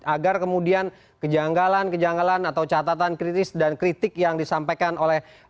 agar kemudian kejanggalan kejanggalan atau catatan kritis dan kritik yang disampaikan oleh